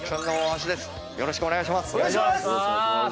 よろしくお願いします